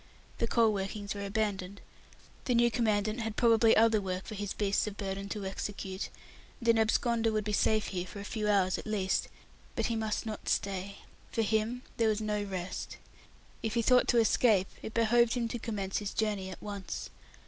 The coal workings were abandoned; the new Commandant had probably other work for his beasts of burden to execute, and an absconder would be safe here for a few hours at least. But he must not stay. For him there was no rest. If he thought to escape, it behoved him to commence his journey at once.